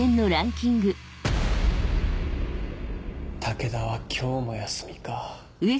武田は今日も休みか。